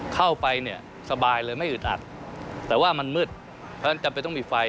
เข้าไปเนี่ยสบายเลยไม่อึดอัดแต่ว่ามันมืดเพราะฉะนั้นจำเป็นต้องมีไฟ